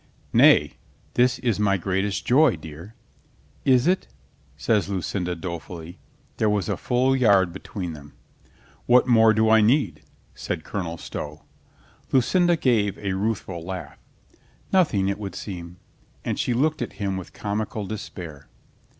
"Nay, this is my greatest joy, dear." "Is it?" says Lucinda dolefully. There was a full yard between them. "What more do I need?" said Colonel Stow. Lucinda gave a rueful laugh. "Nothing, it would seem," and she looked at him with comical despair.